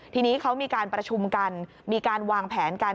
ทีนี้เขามีการประชุมกันมีการวางแผนกัน